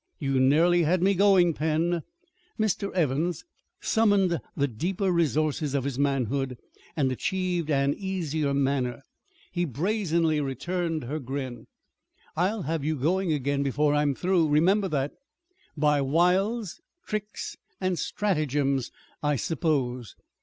"You nearly had me going, Pen." Mr. Evans summoned the deeper resources of his manhood and achieved an easier manner. He brazenly returned her grin. "I'll have you going again before I'm through remember that." "By wiles, tricks and stratagems, I suppose."